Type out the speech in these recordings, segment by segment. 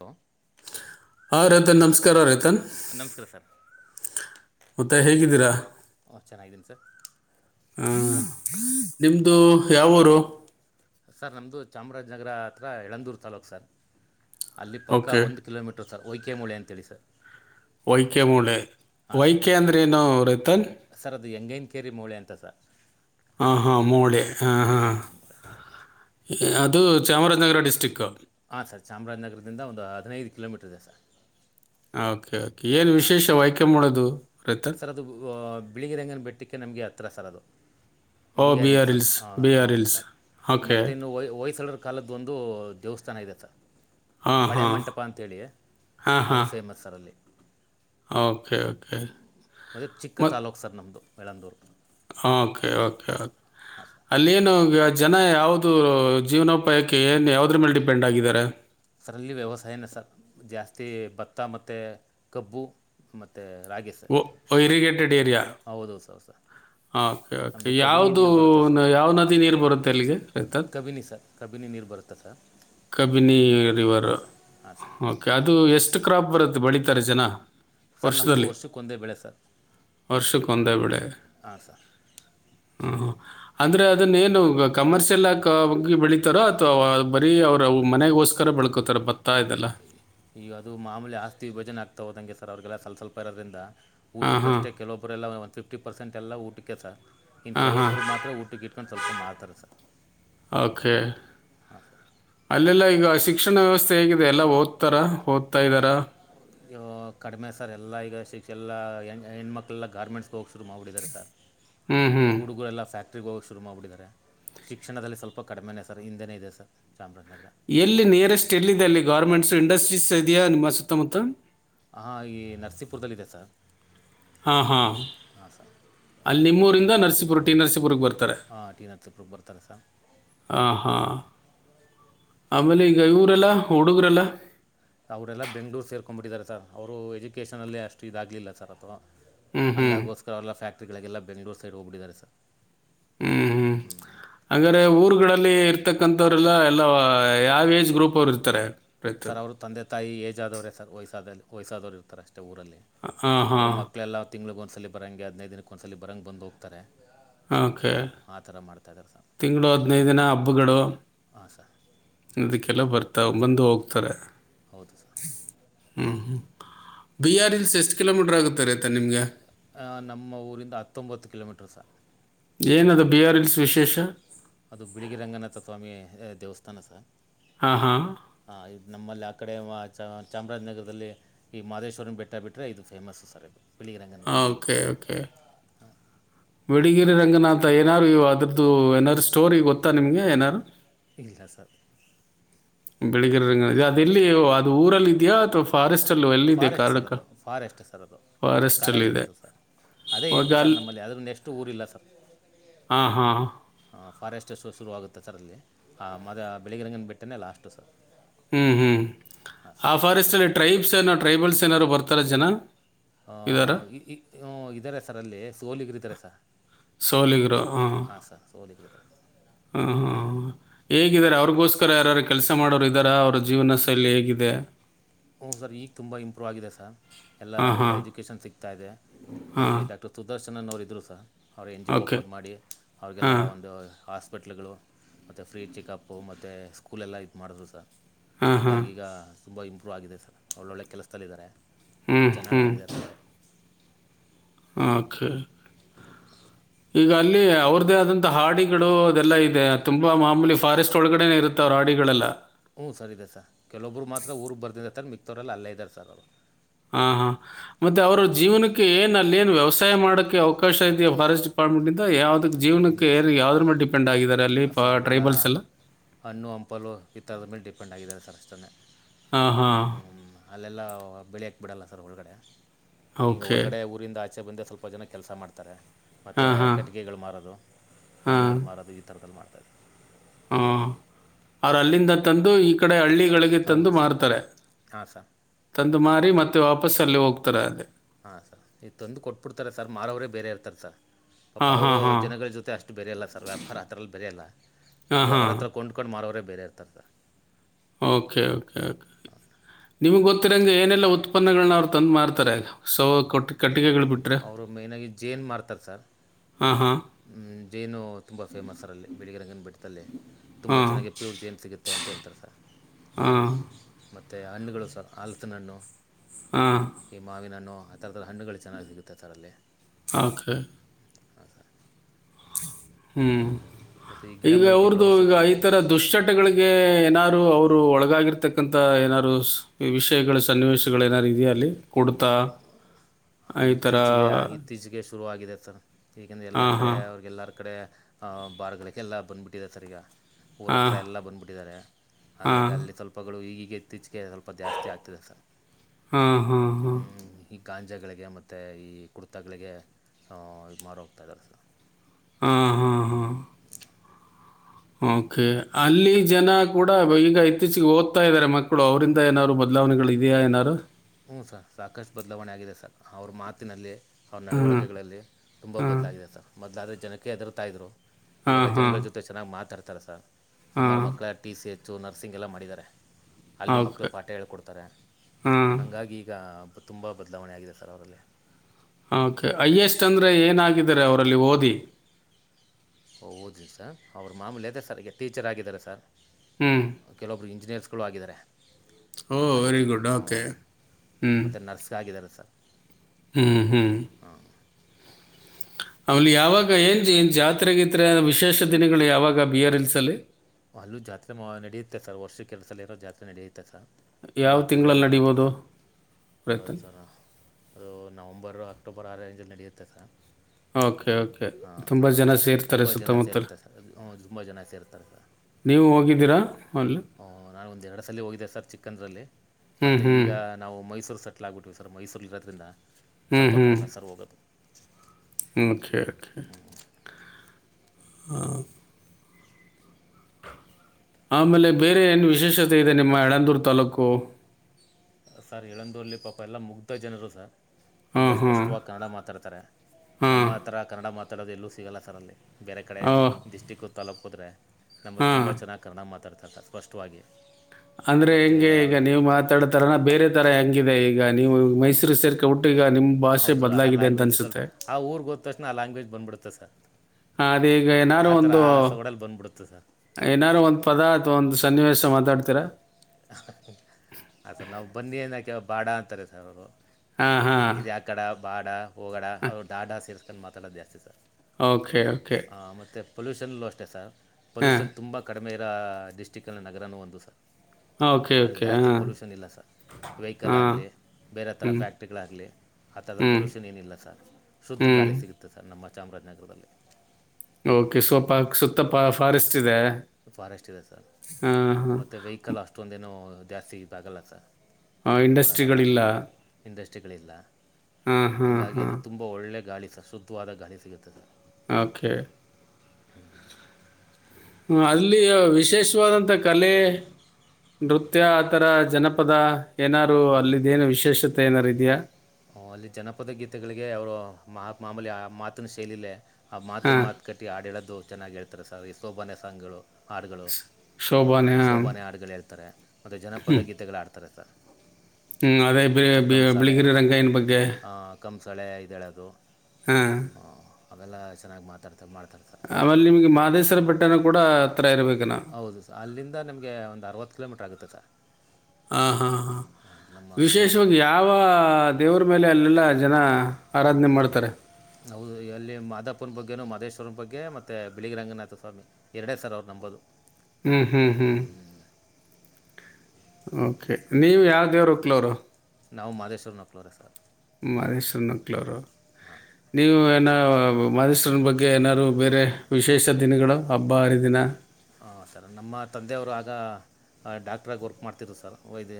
Hello. ಹಾ ರತನ್ ನಮಸ್ಕಾರ ರತನ್. ನಮಸ್ಕಾರ ಸರ್. ಮತ್ತೆ ಹೇಗಿದ್ದೀರಾ. ಹಓ ಚೆನ್ನಾಗಿದ್ದೀನಿ ಸರ್. ಹಾ ನಿಮ್ದು ಯಾವೂರು. ಸರ್ ನಮ್ಮದು ಚಾಮರಾಜನಗರ ಅತ್ರ ಯಳಂದೂರು ತಾಲೂಕು ಸರ್ ಅಲ್ಲಿ ಪಕ್ಕ ಓಕೆ ಒಂದು ಕಿಲೋಮೀಟರ್. ಸರ್ ವಓಕೆ ಮೂಳೆ ಅಂತಳಿ ಸರ್. ವೈಕ್ಯ ಮೂಳೆ ಹಾಂ ಸರ್ ವೈಕ್ಯ ಅಂದ್ರೆ ಏನು ರತನ್. ಕಿರಿಮೂಲೆ ಅಂತ ಸರ್. ಹಾ ಹಾ ಮೂಲೆ ಹಾಂ ಹಾಂ. ಅದು ಚಾಮರಾಜನಗರ ಡಿಸ್ಟ್ರಿಕ್ಕು. ಹಾಂ ಸರ್ ಚಾಮರಾಜನಗರದಿಂದ ಒಂದು ಹದಿನೈದು ಕಿಲೋಮೀಟರ್ ಇದೆ ಸರ್. ಓಕೆ ಓಕೆ ಏನು ಹಾಂ ವಿಶೇಷ ಸರ್ ವಯ್ಕ್ಯ ಮಾಡೋದು. ಸರ್ ಅದು ಬಿಳಿಗ್ಗೆರೆಂಗನ ಬೆಟ್ಟಕ್ಕೆ ನಮಗೆ ಹತ್ರ ಸರ್ ಅದು. ಓ ಬಿ ಆರಿಲ್ ಆರ್ ಸರ್ ಹಿಲ್ಸ್ ಹಾಂ ಬಿ ಆರ್ ಹೌದು ಹಿಲ್ಸ್ ಸರ್ ಓಕೆ ಮತ್ತೆ ಇನ್ನು ವಯಸ್ಸಳರ ಕಾಲದು ಒಂದು ದೇವಸ್ಥಾನ. ಚೆನ್ನಾಗಿದೆ ಸರ್ ಹಾ ಬಳೆ ಹಾ ಮಂಟಪ ಅಂತೇಳಿ ಹಾ ಹಾ ಅದು ಫೇಮಸ್ ಸರ್ ಅಲ್ಲಿ. Okay okay. ಮ ಚಿಕ್ಕ ಮತ್ ತಾಲೂಕ್ ಸರ್ ನಮ್ಮ್ದಯಳಂದೂರು ಓಕೆ ಓಕೆ ಸರ್ ಅಲ್ಲಿ ಏನು ಹ. ಜನ ಯಾವದು ಜೀವನೋಪಾಯಕ್ಕೆ ಏನ್ ಯಾವದ್ರ ಮೇಲೆ ಡಿಪೆಂಡ್ ಆಗಿದ್ದಾರೆ. ಸರಲ್ಲಿ ವ್ಯವಸಾಯನ ಸರ್ ಜಾಸ್ತಿ ಭತ್ತ ಮತ್ತೆ ಕಬ್ಬು ಮತ್ತು. ಮತ್ತೆ ರಾಗಿ ಸರ್ ಓ ಇರಿಗೇಟೆಡ್ ಏರಿಯಾ ಹೌದುೌದು ಸೌದು ಸರ್. ಹಾಂ ಓಕೆ ಓಕೆ ನಮ್ಮದು ಕಬಿನಿ ಯಾವುದು ನೀರು ಬರುತ್ತೆ ಸರ್ ಯಾವ ನದಿ ನೀರು ಬರುತ್ತೆ ಅಲ್ಲಿಗೆ ರೈತರ್. ಕಬಿನಿ ಸರ್ ಕಬಿನಿ ನೀರು ಬರುತ್ತೆ ಸರ್. ಕಬಿನಿ ರಿವರ್ ಹಾಂ ಸರ್ ಹಾಂ ಸರ್ ಓಕೆ ಅದು ಎಷ್ಟು ಕ್ರಾಪ್ ಬರುತ್ತೆ. ಬೆಳೀತಾರೆ ಜನ ಸರ್ ನಮ್ಮದು ವರ್ಷದಲ್ಲಿ ವರ್ಷಕ್ಕೊಂದೇ ಬೆಳೆ ಸರ್ ವರ್ಷಕ್ಕೊಂದೇ ಬೆಳೆ ಹಾಂ ಸರ್ ಹ್ಮ ಹ ಅಂದ್ರೆ ಅದನ್ನ ಏನು ಕಮರ್ಷಿಯಲ್ ಆಕ್ ಬೆಳಿತಾರೋ ಅಥವಾ. ಅವ್ರ ಮನೆಗೋಸ್ಕರ ಬೆಳ್ಕೋತಾರೆ ಬತ್ತ. ಈ ಅದು ಮಾಮೂಲಿ ಆಸ್ತಿ ವಿಭಜನೆ ಆಗ್ತಾ ಹೋದಂಗೆ ಸರ್ ಅವ್ರಿಗೆಲ್ಲ ಸ್ಲ್ ಸ್ವಪ ಇರೋದ್ರಿಂದ. ಹಾಂ ಹಾಂ ಊಟಕ್ಕಷ್ಟೇ ಕೆಲವೊಬ್ಬರೆಲ್ಲ ಒಂದು ಫಿಫ್ಟಿ ಪರ್ಸೆಂಟ್ ಎಲ್ಲ ಊಟಕ್ಕೆ ಸರ್. ಇನ್ನು ಹಾಂ ಹಾಂ ಕೆಲವೊಬ್ಬರು ಮಾತ್ರ ಊಟಕ್ಕೆ ಇಟ್ಕೊಂಡು ಸ್ವಲ್ಪ ಮಾಡ್ತಾರೆ ಸರ್ ಓಕೆ ಹಾಂ. ಸರ್ ಅಲ್ಲೆಲ್ಲ ಈಗ ಶಿಕ್ಷಣ ವ್ಯವಸ್ಥೆ ಹೇಗಿದೆ ಎಲ್ಲ ಓದ್ತಾರ ಓದ್ತಾ ಇದ್ದಾರ. ಕಡಿಮೆ ಸರ್ ಎಲ್ಲ ಈಗ ಶಿಕ್ಷೆಲ್ಲ ಹೆ ಹೆಣ್ಮಕ್ಳೆಲ್ಲ ಗಾರ್ಮೆಂಟ್ಸ್ಗೆ ಹೋಗಿ ಶುರು ಮಾಡಿಬಿಟ್ಟಿದ್ದಾರೆ ಸರ್. ಹ್ಞೂ ಹ್ಞೂ ಹುಡುಗರೆಲ್ಲ ಫ್ಯಾಕ್ಟ. ಹೋಗ ಶುರು ಮಾಡ್ಬಿದ್ದಾರೆ ಶಿಕ್ಷಣದಲ್ಲಿ ಸ್ವಲ್ಪ ಕಡಿಮೆನೆ ಸರ್ ಹಿಂದೇನೇ ಇದೆ ಸರ್ ಚಾಮರಾಜನಗರ. ಎಲ್ಲಿ ನಿಯರೆಸ್ಟ್ ಎಲ್ಲಿದೆ ಅಲ್ಲಿ ಗೌರ್ಮೆಂಟ್ಸ್ ಇಂಡಸ್ಟ್ರೀಸ್ ಇದೆಯಾ ನಿಮ್ಮ ಸುತ್ತಮುತ್ತ. ಹಾಂ ಈ ನರಸೀಪುರದಲ್ಲಿದೆ ಸರ್. ಹಾ ಹಾ ಹಾಂ ಸರ್ ಅಲ್ಲಿ ನಿಮ್ಮೂರಿಂದ ನರಸೀಪುರ ಟಿ ನರಸೀಪುರಕ್ಕೆ ಬರ್ತಾರ. ಹಾಂ ಟಿ ನರಸೀಪುರಕ್ಕೆ ಬರ್ತಾರೆ ಸರ್ ಹ ಹಾ ಆಮೇಲೆ ಈಗ ಇವರೆಲ್ಲ ಹುಡುಗರೆಲ್ಲ. ಅವರೆಲ್ಲ ಬೆಂ್ಳೂರು ಸೇರ್ಕೊಂಡ್ಂಬಿಟ್ಟಿದ್ದಾರೆ ಸರ್ ಅವರು ಎಜುಕೇಷನಲ್ಲೇ ಅಷ್ಟು ಇದಾಗಲಿಲ್ಲ ಸರ್ ಅಥವಾ. ಹ್ಞೂ ಹ್ಞೂ ಅಂಗ ಗೋಸ್ಕರ ಎಲ್ಲ ಫ್ಯಾಕ್ಟ್. ರಿಗಳಿಗೆೆಲ್ಲ ಬೆಂ್ಗಳೂರು ಸೈಡ್ ಹೋಗ್ಬಿಟ್ಟಿದ್ದಾರೆ ಸರ್ ಹ್ಞೂ. ಹಂಗ್ರೆ ಊರ್ಗಳಲ್ಲಿ ಇರ್ತಕ್ಕಂಥವ್ರಲ್ಲ ಎಲ್ಲ ಯಾವ ಏಜ್ ಗ್ರೂಪ್ ಅವರು ಇರ್ತಾರೆ. ಸರ್ ರೈತರು ಅವರು ತಂದೆ ತಾಯಿ ಏಜ್ ಆದವ್ರೇ ಸರ್ ವಯಸ್ಸಾದಲ್ಲಿ ವಯಸ್ಸಾದವರುರ್ತಾರೆಷ್ಟೆ. ಅಷ್ಟೇ ಊರಲ್ಲಿ ಹಾಂ ಅವರು ಹಾಂ ಮಕ್ಕಳೆಲ್ಲ ತಿಂಗಳಿಗೆ ಒಂದ್ಸಲ ಬರಂಗೆ ಹದಿನೈದು ದಿನಕ್ಕೆ ಒಂದ್ಸಲ ಬರಂಗೆ ಬಂದು ಹೋಗ್ತಾರೆ. ಹಾಂ ಓಕೆ ಹ್ಮ್, ಆ ಥರ ಮಾಡ್ತಾಯಿದ್ದಾರೆ ಸರ್ ತಿಂಗಳು ಹದಿನೈದು ದಿನ ಹಬ್ಬಗಳು. ಹಾಂ ಸರ್ ಅದಕ್ಕೆಲ್ಲ ಬರ್ತಾ ಬಂದು ಹೋಗ್ತಾರೆ. ಹೌದು ಸರ್ [inaudible] ಹ್ಞೂ ಹ್ಞೂ ಬಿಹಾರಿಲ್ಸ್ ಎಷ್ಟು ಕಿಲೋಮೀಟ್ರ ಆಗುತ್ತೆ ರಯತಾ ನಿಮ್ಗೆ. ನಮ್ಮ ಊರಿಂದ ಹತ್ತೊಂಬತ್ತು ಕಿಲೋಮೀಟರ್ ಸ. ಏನ ಅದು ಬಿ ಆರ್ ಇಲ್ಸ್ ವಿಶೇಷ. ಅದು ಬಿಳಿಗಿ ರಂಗನಾಥ ಸ್ವಾಮಿ ಆ, ದೇವಸ್ಥಾನ ಸರ್ ಹಾಂ ಹಾಂ ಹ ಇದು ನಮ್ಮಲ್ಲಿ. ಕಡೆ ಮಾ ಚ ಚಾಮರಾಜನಗರದಲ್ಲಿ ಈ ಮಹದೇಶ್ವರನ ಬೆಟ್ಟ ಬಿಟ್ಟರೆ ಇದು ಫೇಮಸ್ಸು ಸರ್ ಇದು. ಬಿಳಿಗಿ ರಂಗನ ಹ ಬೆಟ್ಟ ಓಕೆ ಓಕೆ ಬಿಳಿಗಿರಿ ರಂಗನಾಥ ಏನಾರು ಇವ ಅದ್ರದ್ದು ಏನಾದಾರು ಸ್ಟೋರಿ ಗೊತ್ತಾ ನಿಮ್ಗೆ ಏನಾರು ಇಂಗಲಾಸದ [inaudible] ಬೆಳಿಗರ ರದೆ ಅದೆಲ್ಲಿ ಅದು ಊರಲ್ಲಿ ಇದ್ಯಾಾ ಅಥವಾ. ಫಾರೆಸ್ಟಲ್ಲಿ ಎಲ್ಲಿದೆ ಫಾರೆಶಟ್ಸರ್ ಕಾರಡ್ಕ ಅದು ಫಾರೆಸ್ಟ್ ಸರ್ ಅದು ಫಾರೆಸ್ಟಲ್ಲಿ ಇದೆ ಕಾಡಲ್ಲಿರೋದು. ಅದೇ ಎಂಟು ಓಕೆ ಸರ್ ನಮ್ಮಲ್ಲಿ ಅದ್ರ ನೆಷ್ಟು ಊರಿಲ್ಲ ಸರ್. ಹಾ ಹಾ. ಫಾರೆಸ್ಟಸು ಶುರುವಾಗುತ್ತೆ ಸರ್ ಅಲ್ಲಿ ಮದ ಬೆಳಗ್ರಂಗನ ಬಿಟ್ಟನೇ ಲಾಸ್ಟು ಸರ್. ಹ್ಮ್ ಹ್ಮ್ ಹಾಂ ಆ ಸರ್ ಫಾರೆಸ್ಟಲ್ಲಿ ಟ್ರೈಬ್ಸ್ ಏನೋ ಟ್ರೈಬಲ್ಸ್ ಏನಾದಾರೂ ಬರ್ತಾರ ಜನ. ಹ ಇದಾರ ಇದ್ದಾರೆ ಸರ್ ಅಲ್ಲಿ ಸೋಲಿಗರಾರೆ ಸ. ಸೋಲಿಗರ ಹ ಸೋಲಿಗರು ಇದ್ದಾರೆ ಹ್ಮ ಹಾ ಹೇಗಿದ್ದಾರೆ ಅವ್ರಗೋಸ್ಕರ ಯಾರಾರು ಕೆಲಸ ಮಾಡೋರು ಇದ್ದಾರಾ ಅವ್ರ ಜೀವನ ಶೈಲಿ ಹೇಗಿದೆ ಹೆ ಹ್ಞೂ ಸರ್ ಈಗ ತುಂಬ ಇಂಪ್ರೂವ್ ಆಗಿದೆ ಸರ್ ಎಲ್ಲ ಹಾಂ ಹಾಂ ಒಳ್ಳೆಯ ಎಜುಕೇಷನ್ ಸಿಕ್ತಾ ಇದೆ. ಅಲ್ಲಿ ಹಾಂ ಡಾಕ್ಟರ್ ಸುದರ್ಶನನ್ ಅವರು ಇದ್ರು ಸರ್ ಅವರು N G O okay open ಮಾಡಿ ಅವರಿಗೆಲ್ಲ ಹಾಂ ಒಂದು ಆಸ್ ಹಾಸ್ಪಿಟ್ಲ್ಗಳು ಮತ್ತು ಫ್ರೀ ಚೆಕಪ್ಪು ಮತ್ತು ಸ್ಕೂಲೆಲ್ಲ ಇದು ಮಾಡಿದ್ರು ಸರ್ ಹಾಂ ಹಾಂ ಹಂಗಾಗಿ ಈಗ ತುಂಬ ಇಂಪ್ರೂವ್ ಆಗಿದೆ ಸರ್ ಒಳ್ಳೊಳ್ಳೆ ಕೆಲಸದಲ್ಲಿದ್ದಾರೆ ಹ್ಞೂ ಈಗ ಚೆನ್ನಾಗ್ ಹ್ಞೂ ಆಗಿದ್ದಾರೆ ಸರ್ ಅವರು ಆಕೆ ಈಗ ಅಲ್ಲಿ ಅವ್ರದೇ ಆದಂತಹ ಹಾಡಿಗಳು ಅದೆಲ್ಲ ಇದೆ ತುಂಬಾ ಮಾಮೂಲಿ ಫಾರೆಸ್ಟ್ ಒಳಗಡೆ ಇರುತ್ತೆ ಅವ್ರ ಹಾಡಿ. ಗಳೆಲ್ಲ ಹ್ಞೂ ಸರಿ ಇದೆ ಸರ್ ಕೆಲವೊಬ್ಬರು ಮಾತ್ರ ಊರಿಗೆ ಬರ್ದಿದ್ದಾರೆತ್ತಾರೆ ಮಿಕ್ತವ್ರಲ್ಲ ಅಲ್ಲೇ ಇದ್ದಾರೆ ಸರ್ ಅವ್ರು ಹಾ ಹಾ ಮತ್ತೆ ಅವ್ರ ಜೀವನಕ್ಕೆ ಏನ್ ಅಲ್ಲೇಏನ್ ವ್ಯವಸಾಯ ಮಾಡಕ್ಕೆ ಅವಕಾಶ ಇದೆಯಾ ಫಾರೆಸ್ಟ್ ಡಿಪಾರ್ಟ್ಮೆಂಟ್ಂದ ಇ ಯಾವುದಕ್ಕೆ ಇಲ್ಲ ಜೀವನಕ್ಕೆ ಸರ್ ಯಾವ್ದದ್ರ ಮೇಲೆ ಡಿಪೆಂಡ್ ಆಗಿದ್ದಾರೆ ಅಲ್ಲಿ ಪ ಸರ್ ಅವರೆಲ್ಲ ಟ್ರೈಬಲ್ಸ್ ಎಲ್ಲ ಹಣ್ಣು ಹಂಪಲು ಈ ಥರದ ಮೇಲೆ ಡಿಪೆಂಡ್ ಆಗಿದ್ದಾರೆ ಸರ್ ಅಷ್ಟೇ ಹಾಂ ಹಾಂ ಅಲ್ಲೆಲ್ಲ ಬೆಳೆಯಕ್ಕೆ ಬಿಡಲ್ಲ ಸರ್ ಒಳಗಡೆ ಈಗ ಓಕೆ ಹೊರ್ಗಡೆ ಊರಿಂದ ಆಚೆ ಬಂದ ಸ್ವಲ್ಪ ಜನ ಕೆಲಸ ಮಾಡ್ತಾರೆ ಮತ್ತೆ ಹಾಂ ಹಾಂ ಮಟ್ಟಕೆಗಳು ಮಾರೋದು ಹಣ್ಣುಗಳು ಮಾರೋದು ಈ ಥರದಲ್ಲಿ ಮಾಡ್ತಾರೆ ಹಾ ಅವ್ರ ಅಲ್ಲಿಂದ ತಂದು ಈ ಕಡೆ ಹಳ್ಳಿ ಗಳಿಗೆ ತಂದು ಹೌದು ಸರ್ ಮಾರತಾರೆ ಹಾಂ ಸರ್ ತಂದು ಮಾರಿ ಮತ್ತೆ ವಾಪಸ್ ಅಲ್ಲಿ ಹೋಗ್ತಾರೆ ಅದೇ ಹಾಂ ಸರ್ ಇದು ತಂದು ಕೊಟ್ಬಿಡ್ತಾರೆ ಸರ್ ಮಾರೋವರೇ ಬೇರೆ ಇರ್ತಾರೆ ಸರ್. ಪಾಪ ಹಾಂ ಅವರು ಹಾಂ ಹಾಂ ಜನಗಳ ಜೊತೆ ಅಷ್ಟು ಬೇರೆಯಲ್ಲ ಸರ್ ವ್ಯಾಪಾರ ಆ ಥರಲ್ಲಿ ಬೇರೆೆಯಲ್ಲ ಹಾಂ ಅದು ಅವ್ರ ಹಾಂ ಹತ್ರ ಕೊಂಡ್ಕೊಂಡು ಮಾರೋವರೇ ಬೇರೆ ಇರ್ತಾರದ ಓಕೆ ಓಕೆ ಓಕ ನಿಮ್ಗೆ ಗೊತ್ತಿರಂಗೆ ಏನೆಲ್ಲಾ ಉತ್ಪನ್ನಗಳನ್ನ ಅವ್ರು ತಂದ್ ಮಾಡ್ತಾರೆ ಸವ ಕೊಟ್ಟ ಕಟ್ಟ ಅವರು ಮೇನಾಗಿ ಜೇನ್ ಮಾರರ್ತಾರೆ ಸರ್ ಹಾಂ ಹಾಂ ಜೇನು ತುಂಬ ಫೇಮಸ್ ಸರ ಅಲ್ಲಿ ಬೆಳಿಗ್ಗೆ ರಂಗನ ಬಿಟ್ಟಲ್ಲಿ ತುಂಬ ಹಾಂ ಚೆನ್ನಾಗಿ ಪ್ಯೂರ್ ಜೆನ್ ಸಿಗುತ್ತೆ ಅಂತ ಹೇಳ್ತಾರೆ ಸರ್ ಹ ಮತ್ತು ಹಣ್ಣುಗಳು ಸರ್ ಆಲತನಣ್ಣು ಹಾಂ ಈ ಮಾವಿನಹಣ್ಣು ಆಥರದರ ಹಣ್ಣಗಳು ಚೆನ್ನಾಗಿ ಸಿಗುತ್ತೆ ಥರಲ್ಲಿ ಆಕೆ ಹ್ಮ್ ಮತ್ತು ಈ ಈಗ ಗಿಡಮೂಲಿಕೆಗಳು ಅವ್ರದು ಈಗ ಔಷಧಿಗೆ ಈ ತರ ದುಶ್ಚಟಗಳಿಗೆ ಏನಾದು ಅವರು ಒಳಗ ಬದಲಾಗಿರ್ರ್ತಕ್ಕಂಥ ಏನಾರ್ರು ವಿಷಯಗಳ ಸನ್ನಿವೇಶಗಳು ಏನಾದಾರು ಇದೆಯಾ ಅಲ್ಲಿ ಕುಡ್ತಾ ಈ ಥರ ಇತ್ತೀಚೆಗೆ ಇತ್ತೀಚೆಗೆ ಶುರುವಾಗಿದೆ ಸರ್ ಈ ಏಕಂದರೆೆ ಎಲ್ಲ ಹಾಂ ಕಡೆ ಹಾಂ ಅವ್ರಿಗೆಲ್ಲರ ಕಡೆ ಬಾರ್ಗಳಕ್ಕೆ ಎಲ್ಲ ಬಂದುಬಿಟ್ಟಿದೆ ಸರ್ ಈಗ ಊರ ಹತ್ರ ಹಾಂ ಎಲ್ಲ ಬಂದಬಿಟ್ಟಿದ್ದಾರೆ ಹಂಗಾಗಿ ಹಾಂ ಅಲ್ಲಿ ಸ್ವಲ್ಪಗಳು ಈಗೀಗ ಇತ್ತೀಚೆ ಅದಕ್ಕೆ ಸ್ವಲ್ಪ ಜಾಸ್ತಿ ಆಗ್ತಿದೆ ಸರ್ ಹಾಾ ಈ ಗಾಂಜಾಗಳಿಗೆ ಮತ್ತು ಈ ಕುಡ್ತಗಳಿಗೆದು ಮಾರು ಹೋಗ್ತಾ ಇದ್ದಲ್ಲ ಸರ್ ಹಾ ಹಾ ಹಾ ಓಕೆ ಅಲ್ಲಿ ಜನ ಕೂಡ ಈಗ ಇತ್ತೀಚಿಗೆ ಓದ್ತಾ ಇದಾರೆ ಮಕ್ಕಳು ಅವ್ರಂದ ಏನಾದ್ರು ಮೊದ್ ಚಲಾವಣೆಗಳು ಇದೆಯಾ ಏನಾರು ಹ್ಞೂ ಸರ್ ಸಾಕಷ್ಟು ಬದಲಾವಣೆ ಆಗಿದೆ ಸರ್ ಅವ್ರ ಮಾತಿನಲ್ಲಿ ಅವ್ರ ಹ್ಮ್ ನಡವಳಿಕೆಗಳಲ್ಲಿ ತುಂಬ ಹಾಂ ಬದಲಾಗಿದೆ ಸರ್ ಮೊದಲಾದರೆ ಜನಕ್ಕೆ ಹೆದುರ್ತಾಯ ಇದ್ರು ಹಾಂ ಇವಾಗ ಹಾಂ ಜನಗಳ ಜೊತೆ ಚೆನ್ನಾಗಿ ಮಾತಾಡ್ತಾರ ಸ ಸುಮಾರು ಹಾಂ ಮಕ್ಕಳ ಟಿ ಸಿ ಎಚ್ ಹೆಚ್ಚು ನರ್ಸಿಂಗ್ ಎಲ್ಲ ಮಾಡಿದ್ದಾರೆ ಅಲ್ಲಿ ಮಕ್ಕಳು ಓಕೆ ಪಾಠ ಹೇಳಿಕೊಡ್ತಾರೆ ಹಾಂ ಈಗ ತುಂಬ ಬದಲಾವಣೆ ಆಗಿದೆ ಸರ್ ಅವರಲ್ಲಿ ಹ ಹೈಯೆಸ್ಟ್ ಅಂದ್ರೆ ಏನಾಗಿದ್ದಾರೆ ಅವರಲ್ಲಿ ಓದಿ ಓ ಹಓದ್ರಿ ಸರ್ ಅವ್ರ ಮಾಮೂಲಿ ಅದೆೇ ಸರ್ ಟೀಚರ್ ಆಗಿದ್ದಾರೆ ಸರ್ ಹ್ಞೂ ಕೆಲೊಬ್ರು ಇಂಜಿನಿಯರ್ಸ್ ಸುಲುವಾಗಿದ್ದಾರೆ ಓ ವೆರಿ ಗುಡ್ ಓಕೆ ಹ್ಮ್ ಮತ್ತು ನರ್ಸ್ ಆಗಿದ್ದಾರೆ ಸರ್ ಹ್ಮ್ ಹ್ಮ್ ಹಾಂ ಅವಲ್ಲಿ ಯಾವಾಗ ಏನು ಏನು ಜಾತ್ರೆಗಿತ್ ವಿಶೇಷ ದಿನಗಳು ಯಾವಾಗ ಬಿಿಯರ್ ಇಲ್ಸಲ್ಲಿ ಅಲ್ಲೂ ಜಾತ್ರೆ ನಡೆಯುತ್ತೆ ಸರ್ ವರ್ಷ ಕೆಲಸದಲ್ಲಿ ಇರೋ ಜಾತ್ರೆ ನಡೆಯುತ್ತೆ ಸರ್ ಯಾವ ತುಂಬ ತಿಂಗಳಲ್ಲಿ ದೂರಿಯಾಗಿನ ಮಾಡ್ತಾರೆ ನಡಿಬೋದು ಸರ್ ಹೌದು ಪ್ರಯತ್ನ ಸರ್ ಅದು ನಾವು ಒಂಬರು ಹ ಅಕ್ಟೋಬರರೆ ಇಂಜ ನಡಿಯತ ಹ ಹಾಂ ತುಂಬ ಜನ ಸ ಸುತ್ತಮುತ್ತಲು ಇರ್ತಾರೆ ಸರ್ದು ಹ್ ತುಂಬ ಜನ ಸ ಇರ್ತಾರೆ ಸರ್ ನೀವು ಹೋಗಿದ್ದೀರಾ ಅಲ್ಲಿ ಹ ನಾನು ಒಂದ ಎರಡ ಸಲ ಹೋಗಿದ್ದೆ ಸರ್ ಚಿಕ್ಕಂದ್ರಲ್ಲಿ ಹ್ಞೂ ಮತ್ತೆ ಹ್ಞೂ ಈಗ ನಾವು ಮೈಸೂರು ಸೆಟ್ಲ್ ಆಗ್ಬಿಟ್ವಿ ಸರ್ ಮೈಸೂರ್ಲ್ಲಿ ಇರೋದ್ರಿಂದ ಸ್ವಲ್ಪ ಕಡಿಮೆ ಸರ್ ಹೋಗೋದು ಅೆ ಅೆ ಹ ಆಮೇಲೆ ಬೇರೆ ಏನು ವಿಶೇಷತೆ ಇದೆ ನಿಮ್ಮ ಯಡಂದೂರು ತಾಲೂಕು ಸರ್ ಇಳಂದರ್ಲಿ ಪಾಪ ಎಲ್ಲ ಮುಗ್ದ ಜನರು ಸರ್ ಹಾಂ ತುಂಬ ಹಾಂ ಸ್ಪಷ್ಟವಾಗಿ ಕನ್ನಡ ಮಾತಾಡ್ತಾರೆ ನಮ್ಮ ಹಾಂ ಹತ್ರ ಕನ್ನಡ ಮಾತಾಡೋದು ಎಲ್ಲೂ ಸಿಗಲ್ಲ ಸರ ಅಲ್ಲಿ ಬೇರೆ ಕಡೆ ಓ ಡಿಸ್ಟಿಕ್ಕು ತಾಕ ಹೋದ್ರೆ ನಮ್ಮಲ್ಲಿ ಹಾಂ ತುಂಬ ಚೆನ್ನಾಗಿ ಕರ್ಡ ಮಾತಾಡ್ತತಾರೆ ಸ್ಪಷ್ಟವಾಗಿ ಅಂದ್ರೆ ಮತ್ತು ಹೆಂಗೆ ಈಗ ಅವ್ರಿಗೆ ನೀವು್ ಮಾತಾಡತರಾನ ಬೇರೆ ತರ ಹೆಂಗಿದೆ ಈಗ ನೀವು ಮೈಸೂರು ಸೇರ್ಕೆ ಹಟ್ಟ ಹೌದು ಆ ಲ್ಯಾಂಗ್ವಜ್ ಸ್ವಪ ಆ ಊರಿಗೆಗೋ ತಕ್ಷಣ ಆಲ್ಯಾಂಗ್ವಜ್ಂದ್ಬಿಡ್ತ ಸರ್ ಹ ಅದ ಈಗ ಏನಾರು ಆ ಥರ ಒಂದು ಆ ಸೊಗಡಲ್ಲಿ ಬಂದ್ಬಿಡುತ್ತೆ ಸರ್ ಏನಾರು ಒಂದ್ ಪದ ಅಥವಾ ಒಂದ್ ಸನ್ನಿವಾಸ ಮಾತಾಡ್ತೀರಾ ಆಥ ನಾವು ಬನ್ನಿನ ಕೆ ಬಾಡ ಅಂತಾರೆ ಸರ್ ಅವರು ಆ ಹಾ ಇದು ಆ ಕಡ ಬಾಡ ಹೋಗಾಡ ಅವ್ರು ದಾಡ ಸೇರಿಸಸ್ಕಂಡು ಮಾತಾಡೋದು ಜಾಸ್ತಿ ಸರ್ ಓಕೆ ಓಕೆ ಪೊಲ್ಯೂಷನ್ಲ್ಲೂ ಅಷ್ಟೇ ಸರ್ ಹಾಂ. ಪೊಲ್ಯೂಷನ್ ತುಂಬ ಕಡಿಮೆ ಇರೋ ಡಿಸ್ಟ್ರಿಕ್ಕಲ್ಲಿ ನಗರನೂ ಒಂದು ಸರ್ ಓಕೆ, ಅಲ್ಲಿ ಓಕೆ. ಜಾಸ್ತಿ ಹಾಂ. ಪೊಲ್ಯೂಷನ್ ಇಲ್ಲ ಸ ವೆಹಿಕಲ್ ಹಾಂ. ಆಗಲಿ ಬೇರೆ ಥರ ಹ್ಮ್. ಫ್ಯಾಕ್ಟ್ರಿ ಾಗಲಿ ಆ ತರದ ಹ್ಮ್. ಪೊಲ್ಯೂಷನ್ ಏನಿಲ್ಲ ಸರ್ ಶುದ್ಧ ಹ್ಮ್. ಗಾಳಿ ಸಿಗುತ್ತೆ ಸರ್ ನ ನಮ್ಮ ಚಾಮರಾಜನಗರದಲ್ಲಿ ಓಕೆ ಸ್ವಲ್ಪ ಸುತ್ತ ಫಾರೆಸ್ಟ್ ಇದೆ ಫಾರೆಸ್ಟ್ ಇದೆ ಸರ್ ಹಾಂ, ಹಾಂ. ಮತ್ತುೆ ವೆಹಿಕಲ್ ಅಷ್ಟೊಂದೇನು ಜಾಸ್ತಿ ಇಾಗಲ್ಲ ಸರ್ ಆ ಓಡಾಡಲ್ಲ ಇಂಡಸ್ಟ್ರಿಗಳಿಲ್ಲ. ಇಂಡಸ್ಟ್ರಿಗಳಿಲ್ಲ ಹಾಂ, ಹಾಂ, ಹಾಗಂಗಾಗಿ ಹಾಂ. ಅದು ತುಂಬ ಒಳ್ಳೆ ಗಾಳಿ ಸ ಶುದ್ಧವಾದ ಗಾಳಿ ಸಿಗುತ್ತೆ ಸರ್ ಓಕೆ ಹ್ಮ್ ಅಲ್ಲಿ ವಿಶೇಷವಾದಂಥ ಕಲೆ ನೃತ್ಯ ಆ ಥರ ಜನಪದ ಏನಾದಾರು ಅಲ್ಲಿಿದ್ದ ೇನು ವಿಶೇಷತೆ ಏನಾರು ಇದೆಯಾ ಹ ಅಲ್ಲಿ ಜನಪದ ಗೀತೆಗಳಿಗೆ ಅವರು ಮಹಾತ್ ಮಾಮೂಲಿ ಆ ಮಾತಿನ ಶೈಲಲಿ ಆ ಮಾತುಗೆ ಹಾಂ. ಮಾತು ಕಟ್ಟಿ ಹಾಡು ಹೇಳೋದು ಚೆನ್ನಾಗಿ ಹೇಳ್ತಾರೆ ಸರ್ ಈ ಸೋಬನೆ ಸಾಂಗ್ಗಳು ಹಾಡುಗಳು ಶೋಭಾನೆ. ಹಾಂ. ಶೋಭಾನೆ ಆಾಡುಗಳು ಹೇಳ್ತಾರೆ ಮತ್ತು ಜನಪದ ಗೀತೆಗಳು ಆಡ್ತಾರೆ ಸರ್ ಹ್ಞೂ ಅದೇ ಮತ್ತು ಬಿ ಬಿಳಿಗಿರಿ ರಂಗಯನ ಬಗ್ಗೆ ತಳೆ ಇದ್ದಳದು ಹಾ ಅವೆಲ್ಲ ಚೆನ್ನಾಗಿ ಮಾತಾಡ್ತಾ ಮಾಡ್ತಾ ಆಮೇಲೆ ನಿಮ್ಗೆ ಮಾದೇಶ್ವರ ಬೆಟ್ಟನ ಕೂಡ ಇರಬೇಕೇನೋ ಹೌದು ಸರ್ ಅಲ್ಲಿಂದ ನಮಗೆ ಒಂದು ಅರವತ್ತು ಕಿಲೋಮೀಟರ್ ಆಗುತ್ತೆ ಸರ್ ಹ ಹಾ ಹ ನಮ್ಮ ವಿಶೇಷವಾಗಿ ಎಳಂದೂರಿಂದ ಯಾವ ದೇವ ಆದ ಮೇಲೆ ಅಲ್ಲೆಲ್ಲ ಜನ ಆರಾಧನೆ ಮಾಡ್ತಾರೆ ನಾವುದು ಎಲ್ಲಿ ಮಾಧಪ್ಪುನ ಬಗ್ಗೊ ಮಧೇಶ್ವರನ ಬಗ್ಗೆ ಮತ್ತು ಬಿಳಗ್ಿ ರಂಗನಾಥ ಸ್ವಾಮಿ ಎರಡೇ ಸರ್ ಅವ್ರು ನಂಬೋದು ಹ್ಮ್ ಹ್ಮ್ ಹ್ಮ್ ಓಕೆ ನೀವ್ ಯಾವ ದೇವ್ರುಕ್ಲೋರು ನಾವು ಮಾದೇಶ್ವರ ನಕ್ಳೋರ ಸರ್ ಮರಿೇಶನ್ನು ಕ್ಲರ ಹಾಂ ನೀವು ಏನೋ ಮದಷ್ಟ್ರನ ಬಗ್ಗೆ ಏನಾದಾರೂ ಬೇರೆ ವಿಶೇಷ ದಿನಗಳು ಹಬ್ಬ ಹರಿದಿನ ಹಾಂ ಸರ್ ನಮ್ಮ ತಂದೆಯವರು ಆಗ ಡಾಕ್ಟ್ರಾಗಿ ವರ್ಕ್ ಮಾಡ್ತಿದ್ರು ಸರ್ ಒದ್ಯ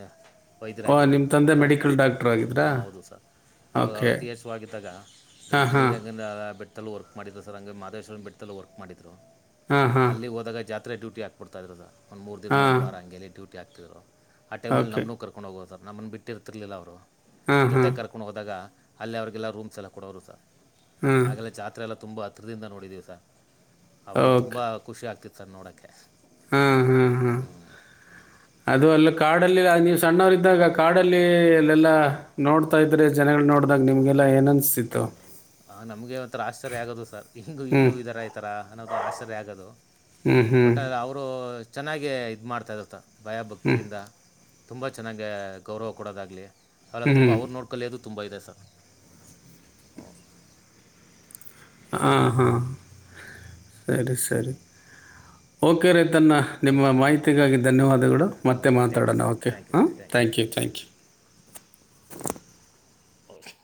ಓಹ ನಿಮ್ಮ ತಂದೆ ಮೆಡಿಕಲ್ ಡಾಕ್ಟ್ರ ಆಗಿದ್ರಾ ಹಾಂ ಹೌದು ಸರ್ ಅವಾಗ ಅವ್ರು ಓಕೆ ಟಿ ಎಸ್ ವಗಿದ್ದಾಗ ಈ ಹಾಂ ಬಿಲ್ಡಿಂಗ್ ಹಾಂ ರಂಗಿಂದ ಬಿಟ್ಟ ತ್ತಲುೂ ವರ್ಕ್ ಮಾಡ್ರು ಸರ್ ಹಂಗೆ ಮಾಹದೇಶ್ವರಂ ಬೆಟ್ಟಲ್ಲೂ ವರ್ಕ್ ಮಾಡಿದ್ರು ಹಾಂ ಹಾಂ ಅಲ್ಲಿ ಹೋದಾಗ ಜಾತ್ರೆ ್ಯೂಟಿ ಹಾಬಿಡ್ತಿದ್ರು ಸ ಒ ಮೂರು ದಿನ ಒಂದು ಹಾಂ ವಾರ ಹಾಗಗೆೇ ಡ್ಯಟಿ ಆಕ್ತಿದರು ಆ ಟೈಮಲ್ಲಿ ಓಕೆ ನಮ್ಮೂ ಕರ್ಕೊಂಡು ಹೋಗೋದು ಸರ್ ನಮ್ಮನ್ನು ಬಿಟ್ಟಿರ್ತಿರ್ಲಿಲ್ಲ ಅವರು ಹಾಂ ಜೊತೆ ಹಾಂ ಕರ್ಕೊಂಡು ಹೋದಾಗ ಅಲ್ಲಿ ಅವ್ರರಿಗೆಲ್ಲ ರೂಮ್ಸ್ ಎಲ್ಲ ಕೊಡೋರು ಸರ್ ಹಾಂ ಹಾಗೆಲ್ಲ ಜಾತ್ರೆ ಎಲ್ಲ ತುಂಬ ಹತ್ತಿರದಿಂದ ನೋಡಿದ್ದೀವಿ ಸರ್ ಅವವಾಗ ತುಂಬ ಖುಷಿ ಆಗ್ತಿತ್ತು ಸರ್ ನೋಡೋಕ್ಕೆ ಹಾ ಹಾ ಹಾ ಅದು ಅಲ್ಲಿ ಕಾಡಲ್ಲಿ ನೀವು್ ಸಣ್ಣವರು ಇದ್ದಾಗ ಕಾಡ ಅಲ್ಲಿ ಅಲ್ಲೆಲ್ಲ ನೋಡ್ತಾ ಇದ್ರೆ ಜನಗಳು ನೋಡ್ ನೋಡದಾಗ ನಿಮಗೆಲ್ಲ ಏನ ಅನಿಸ್ತಿತ್ತು ಆ ನಮ್ಗೆ ಒಂಥರ ಆಶ್ಚರ್ಯ ಆಗೋದು ಸರ್ ಹಿಂಗು ಹ್ಞೂ ಇನ್ನುೂ ಇದರ ಈತರ ಅನ್ನೋದು ಆಶ್ಚರ್ಯ ಆಗೋದು ಹ್ಞೂ ಹ್ಞೂ ಒಟ್ಟಾರೆ ಅವರು ಚೆನ್ನಾಗೇ ಇದು ಮಾಡಾ್ತಾಯರುತ್ತ ಹ್ಞೂ ಭಯಭಕ್ತಿಯಿಂದ ತುಂಬ ಚೆನ್ನಾಗಿ ಗೌರವ ಕೊಡೋದಾಗಲಿ ಅವೆಲ್ಲ ತುಂಬ ಹ್ಞೂ ಅವರು ನೋಡ್ಕೊಳ್ಳ ಅೋದು ತುಂಬ ಇದೆ ಸರ್ ಹ್ಮ ಹ ಹಾ ಸರಿ ಸರಿ ಓಕೆ ರ ತನ್ನ ನಿಮ್ಮ ಓಕೆ ಮಾಹಿತಿಗಾಗಿ ಧನ್ಯವಾದ ಅಡ ಮತ್ತೆ ಓಕೆ ತ್ಯಾಂಕ್ ಯು ಮಾತಾಡೋಣ ಸರ್ ಓಕೆ ತ್ಯಾಂಕ್ ಯು ಹಾಂ sir thank thank sir you thank you